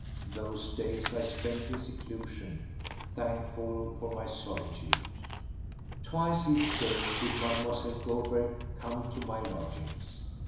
Those days I spent in seclusion, thankful for my solitude. Twice each day did Mlle. Goldberg come to my lodgings.